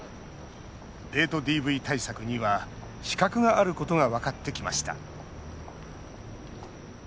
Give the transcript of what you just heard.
デートＤＶ対策には死角があることが分かってきました。